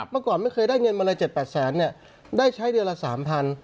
เมื่อก่อนไม่เคยได้เงินมาเลย๗๘แสนเนี่ยได้ใช้เดือนละ๓๐๐